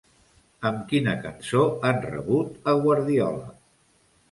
Amb quina cançó han rebut a Guardiola?